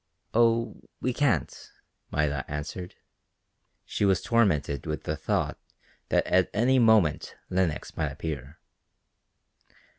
"Oh, we can't," Maida answered. She was tormented with the thought that at any moment Lenox might appear.